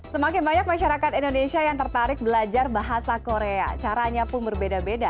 semakin banyak masyarakat indonesia yang tertarik belajar bahasa korea caranya pun berbeda beda